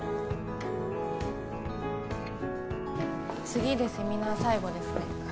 次でセミナー最後ですね